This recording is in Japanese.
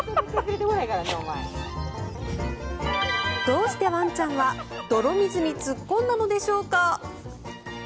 どうしてワンちゃんは泥水に突っ込んだのでしょうか。